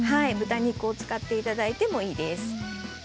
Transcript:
豚肉を使っていただいてもいいです。